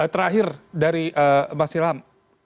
terakhir dari mas hilam